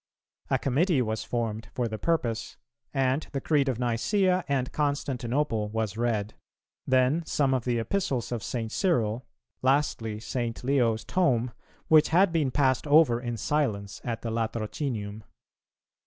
A committee was formed for the purpose, and the Creed of Nicæa and Constantinople was read; then some of the Epistles of St. Cyril; lastly, St. Leo's Tome, which had been passed over in silence at the Latrocinium.